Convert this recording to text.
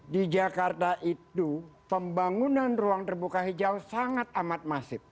di jakarta itu pembangunan ruang terbuka hijau sangat amat masif